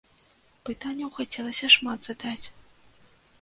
Пытанняў хацелася шмат задаць.